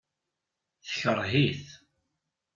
Tekṛeh-it.